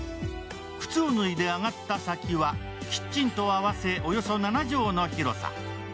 靴を脱いで上がった先は、キッチンと合わせおよそ７畳の広さ。